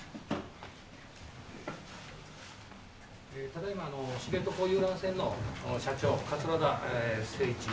ただいま知床遊覧船の社長、桂田精一